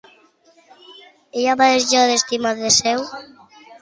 Ella va deixar d'estimar Teseu?